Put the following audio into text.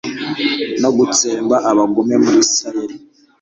no gutsemba abagome muri israheli